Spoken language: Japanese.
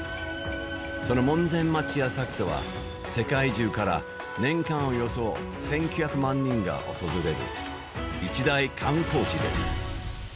その門前町・浅草は、世界中から年間およそ１１００万人が訪れる一大観光地です。